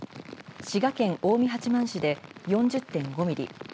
滋賀県近江八幡市で４０．５ミリ